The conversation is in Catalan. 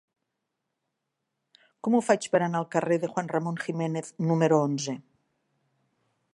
Com ho faig per anar al carrer de Juan Ramón Jiménez número onze?